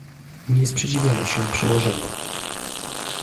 Nie sprzeciwiamy się przełożeniu